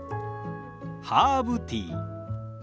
ハーブティー。